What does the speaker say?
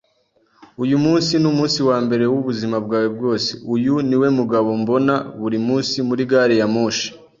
Uyu munsi numunsi wambere wubuzima bwawe bwose. Uyu niwe mugabo mbona buri munsi muri gari ya moshi.